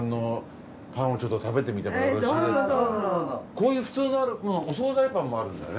こういう普通のお惣菜パンもあるんだね。